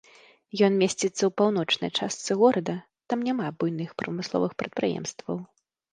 Ён месціцца ў паўночнай частцы горада, там няма буйных прамысловых прадпрыемстваў.